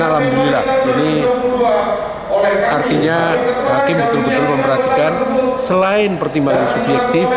dan alhamdulillah ini artinya hakim betul betul memperhatikan selain pertimbangan subjektif